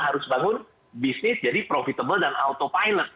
kita harus bangun bisnis jadi profitable dan auto pilot